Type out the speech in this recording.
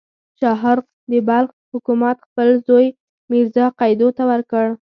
شاهرخ د بلخ حکومت خپل زوی میرزا قیدو ته ورکړ.